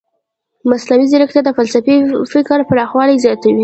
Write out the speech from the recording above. مصنوعي ځیرکتیا د فلسفي فکر پراخوالی زیاتوي.